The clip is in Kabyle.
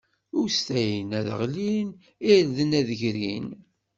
Ustayen ad ɣlin, irden ad d-grin.